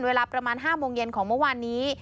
เวลาประมาณ๕โมงเย็นของเมื่อวานนี้